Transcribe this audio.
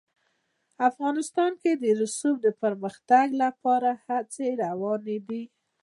افغانستان کې د رسوب د پرمختګ لپاره هڅې روانې دي.